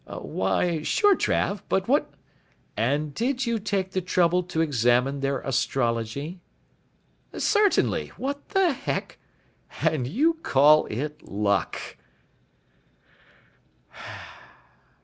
"Why ... sure, Trav. But what " "And did you take the trouble to examine their astrology?" "Certainly. What the heck " "And you call it luck."